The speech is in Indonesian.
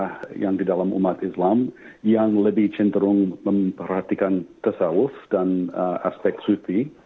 ada yang di dalam umat islam yang lebih cenderung memperhatikan pesawus dan aspek sufi